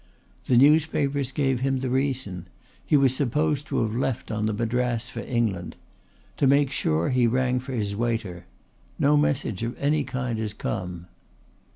The newspapers gave him the reason. He was supposed to have left on the Madras for England. To make sure he rang for his waiter; no message of any kind had come.